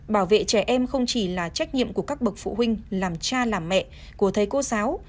bảo vệ trẻ em không chỉ là trách nhiệm của các bậc phụ huynh làm cha làm mẹ của thầy cô giáo